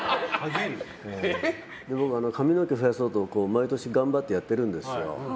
僕、髪の毛を増やそうと毎年頑張ってやってるんですよ。